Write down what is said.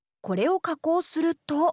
これを加工すると。